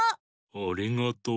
ありがとう。